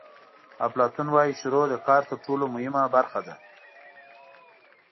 افلاطون وایي شروع د کار تر ټولو مهمه برخه ده.